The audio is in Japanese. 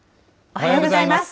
おはようございます。